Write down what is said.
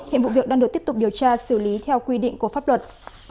hiện vụ việc đang được tiếp tục điều tra xử lý theo quy định của pháp luật